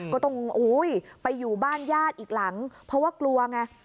ก็ต้องไปอยู่บ้านญาติอีกหลังเพราะว่ากลัวไง